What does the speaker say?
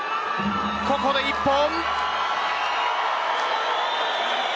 ここで一本。